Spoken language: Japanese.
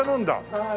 はい。